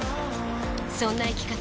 そんな生き方